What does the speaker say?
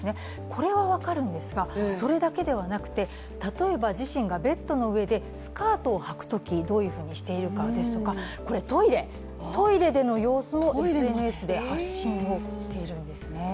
これは分かるんですが、それだけではなくて例えば自身がベッドの上でスカートを履くときどういうふうにしているかですとかトイレでの様子もＳＮＳで発信をしているんですね。